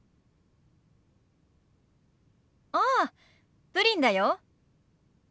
ああプリンだよ。